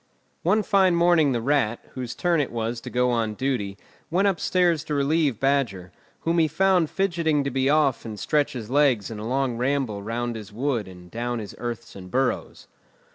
One fine morning the Rat, whose turn it was to go on duty, went upstairs to relieve Badger, whom he found fidgeting to be off and stretch his legs in a long ramble round his wood and down his earths and burrows.